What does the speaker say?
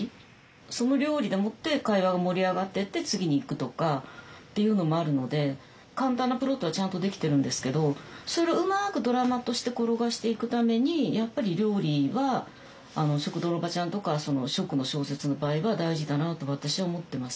その料理でもって会話が盛り上がってって次に行くとかっていうのもあるので簡単なプロットはちゃんと出来てるんですけどそれをうまくドラマとして転がしていくためにやっぱり料理は「食堂のおばちゃん」とか食の小説の場合は大事だなと私は思ってます。